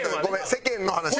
世間の話。